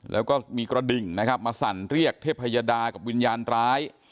แล้วก็มีกระดิ่งนะครับมาสั่นเรียกเทพยดากับวิญญาณร้าย